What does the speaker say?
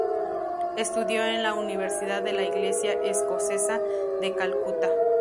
Estudió en la Universidad de la iglesia escocesa de Calcuta.